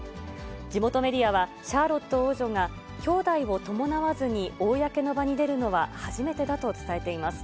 地元メディアは、シャーロット王女が兄弟を伴わずに公の場に出るのは、初めてだと伝えています。